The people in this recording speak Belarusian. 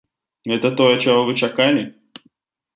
Гэта тое, чаго вы чакалі?